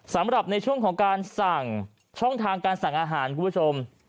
สำหรับในช่วงของช่องทางของการสั่งอาหารคุณผู้ชม